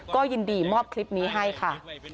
ก็ยินดีมอบคลิปนี้ให้ค่ะ